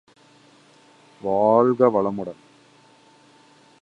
அதிசயம் அடி ஆவடை, கொதிக்கிற கூழ் சிரிக்கிறது.